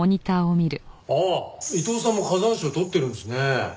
ああ伊藤さんも花山賞取ってるんですね。